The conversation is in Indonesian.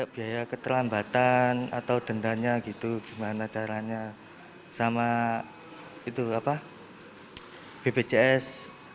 biaya keterlambatan atau dendannya gitu gimana caranya sama itu apa bpjs